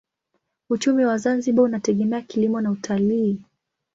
Uchumi wa Zanzibar unategemea kilimo na utalii.